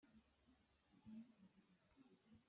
Hnemh kaa zuam nain ka hnem kho lo.